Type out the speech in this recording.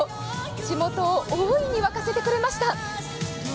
地元を大いに沸かせてくれました。